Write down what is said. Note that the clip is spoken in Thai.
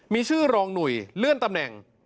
มีชื่อรองหนุ่ยเลื่อนตำแหน่ง